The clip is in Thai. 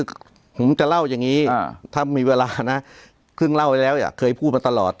ผมจะเล่าอย่างนี้ถ้ามีเวลานะเพิ่งเล่าไปแล้วเคยพูดมาตลอด